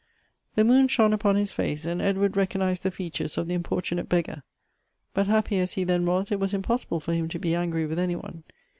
The moon shone upon his face, and Edward recognized the features of the importunate beggar ; but, happy as he then was, it was impossible for him to be angry with any one.